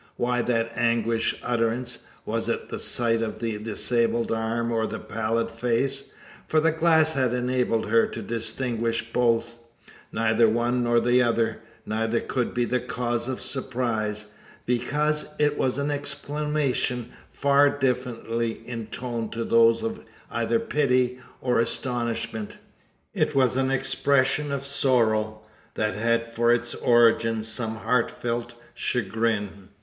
Why that anguished utterance? Was it the sight of the disabled arm, or the pallid face: for the glass had enabled her to distinguish both? Neither one nor the other. Neither could be a cause of surprise. Besides, it was an exclamation far differently intoned to those of either pity or astonishment. It was an expression of sorrow, that had for its origin some heartfelt chagrin.